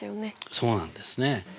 そうなんですね。